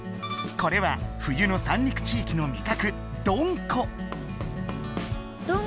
これは冬の三陸地域の味覚どんこ。